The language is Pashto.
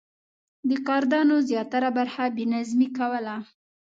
د کردانو زیاتره برخه بې نظمي کوله.